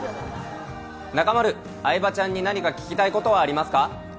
中丸、相葉ちゃんに何か聞きたいことはありますか？